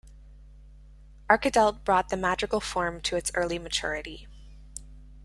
Arcadelt brought the madrigal form to its early maturity.